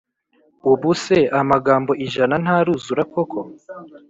Ubuse amagambo ijana ntaruzura koko